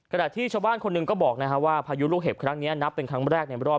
ที่ชาวบ้านคนหนึ่งก็บอกว่าพายุลูกเห็บครั้งนี้นับเป็นครั้งแรกในรอบ